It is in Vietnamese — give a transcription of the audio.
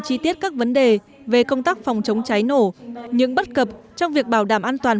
chi tiết các vấn đề về công tác phòng chống cháy nổ những bất cập trong việc bảo đảm an toàn